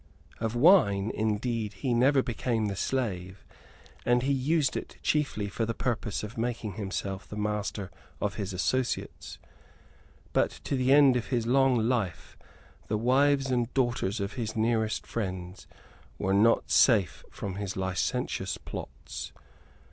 Of wine indeed he never became the slave; and he used it chiefly for the purpose of making himself the master of his associates. But to the end of his long life the wives and daughters of his nearest friends were not safe from his licentious plots.